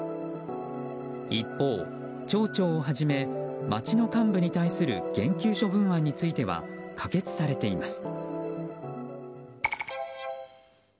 一方、町長をはじめ町の幹部に対する減給処分案については可決されています。